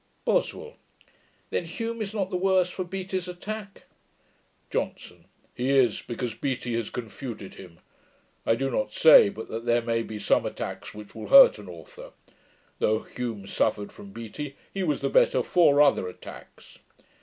BOSWELL. 'Then Hume is not the worse for Seattle's attack?' JOHNSON. 'He is, because Beattie has confuted him. I do not say, but that there may be some attacks which will hurt an author. Though Hume suffered from Beattie, he was the better for other attacks.'